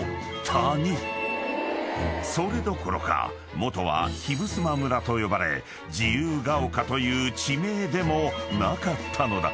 ［それどころか元は碑衾村と呼ばれ自由が丘という地名でもなかったのだ］